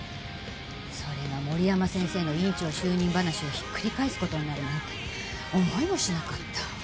それが森山先生の院長就任話をひっくり返す事になるなんて思いもしなかった。